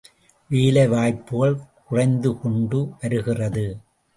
வேலை வாய்ப்புகள் குறைந்துகொண்டு வருகிறது.